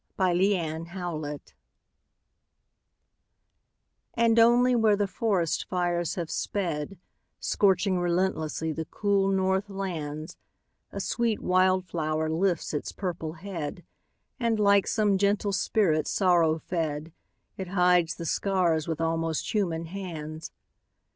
FIRE FLOWERS And only where the forest fires have sped, Scorching relentlessly the cool north lands, A sweet wild flower lifts its purple head, And, like some gentle spirit sorrow fed, It hides the scars with almost human hands.